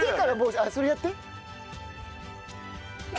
あっそれやって。